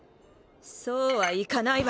そうはいかないわ！